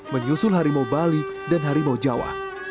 menyusul harimau bali dan harimau jawa